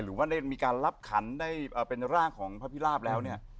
หรือว่าได้มีการรับขันได้เป็นร่างของพระพิราบแล้วเนี่ย